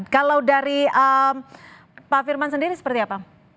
kalau dari pak firman sendiri seperti apa